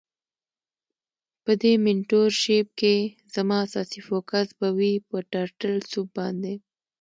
په دی مینټور شیپ کی زما اساسی فوکس به وی په ټرټل سوپ باندی.